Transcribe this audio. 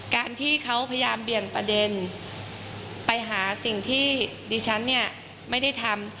การที่เขาพยายามเบี่ยงประเด็นไปหาสิ่งที่ดิฉันเนี่ยไม่ได้ทำ